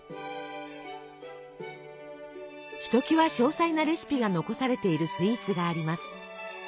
ひときわ詳細なレシピが残されているスイーツがあります。